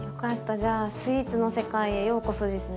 じゃあスイーツの世界へようこそですね。